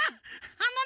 あのね